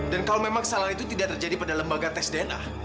dan kalau memang kesalahan itu tidak terjadi pada lembaga tes dna